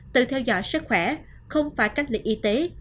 tự theo dõi sức khỏe không phải cách ly y tế